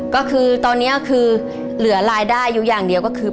ก็คือตอนนี้คือเหลือรายได้อยู่อย่างเดียวก็คือ